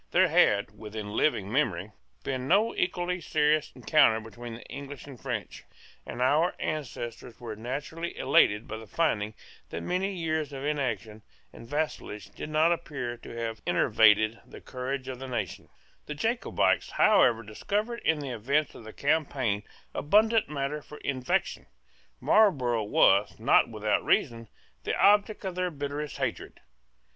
There had within living memory been no equally serious encounter between the English and French; and our ancestors were naturally elated by finding that many years of inaction and vassalage did not appear to have enervated the courage of the nation, The Jacobites however discovered in the events of the campaign abundant matter for invective. Marlborough was, not without reason, the object of their bitterest hatred.